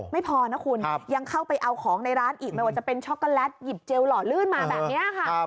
ไม่พอนะคุณยังเข้าไปเอาของในร้านอีกไม่ว่าจะเป็นช็อกโกแลตหยิบเจลหล่อลื่นมาแบบนี้ค่ะ